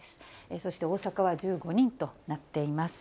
そして大阪は１５人となっています。